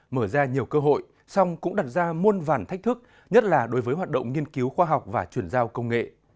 mở ra nhiều cơ hội song cũng đặt ra muôn vàn thách thức nhất là đối với hoạt động nghiên cứu khoa học và chuyển giao công nghệ